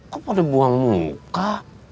kok pada buang muka